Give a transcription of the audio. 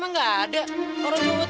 anak anak yang cuma sibuk